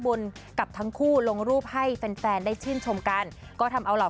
กับทั้งคู่ลงรูปให้แฟนแฟนได้ชื่นชมกันก็ทำเอาเหล่า